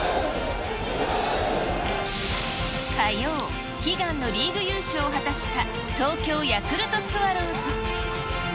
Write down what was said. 火曜、悲願のリーグ優勝を果たした東京ヤクルトスワローズ。